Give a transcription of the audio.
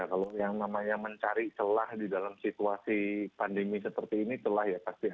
kalau yang namanya mencari celah di dalam situasi pandemi seperti ini celah ya pasti